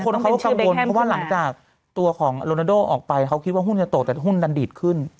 เขาก็กังวลเพราะว่าหลังจากตัวของโรนาโดออกไปเขาคิดว่าหุ้นจะตกแต่หุ้นดันดีดขึ้น